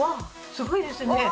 すごいですね